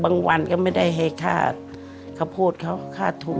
วันก็ไม่ได้ให้ค่าข้าวโพดเขาค่าถูก